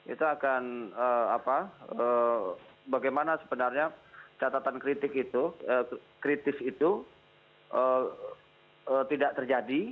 itu akan bagaimana sebenarnya catatan kritik itu kritis itu tidak terjadi